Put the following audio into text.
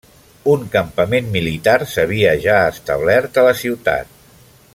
Un campament militar s'havia ja establert a la ciutat.